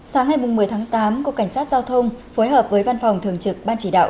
sáng ngày một mươi tháng tám cục cảnh sát giao thông phối hợp với văn phòng thường trực ban chỉ đạo